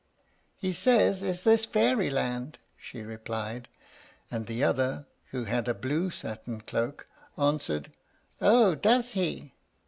"He says, 'Is this Fairyland?'" she replied; and the other, who had a blue satin cloak, answered, "Oh, does he?"